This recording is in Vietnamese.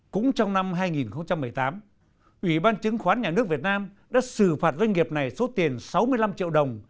cũng trong năm hai nghìn một mươi tám ủy ban chứng khoán nhà nước việt nam đã xử phạt doanh nghiệp này số tiền sáu mươi năm triệu đồng